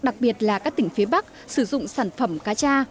đặc biệt là các tỉnh phía bắc sử dụng sản phẩm cá cha